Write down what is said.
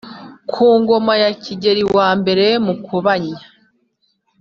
Ku ngoma ya Kigeri I Mukobanya